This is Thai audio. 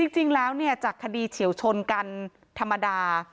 จริงแล้วจากคดีเฉียวชนกันธรรมดา